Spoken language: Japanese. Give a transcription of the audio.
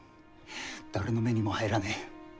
誰の目にも入らねえ。